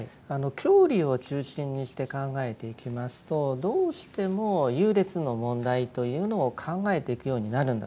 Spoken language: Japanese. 教理を中心にして考えていきますとどうしても優劣の問題というのを考えていくようになるんだと思うんです。